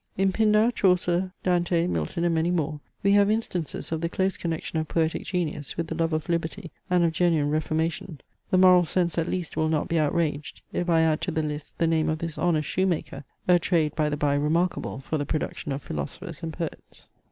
In Pindar, Chaucer, Dante, Milton, and many more, we have instances of the close connection of poetic genius with the love of liberty and of genuine reformation. The moral sense at least will not be outraged, if I add to the list the name of this honest shoemaker, (a trade by the by remarkable for the production of philosophers and poets).